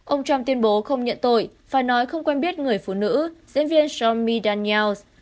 ông trump tuyên bố không nhận tội và nói không quen biết người phụ nữ diễn viên sean m daniels